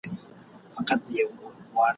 ورته رایې وړلي غوښي د ښکارونو !.